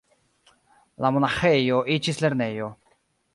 La monaĥejo iĝis lernejo.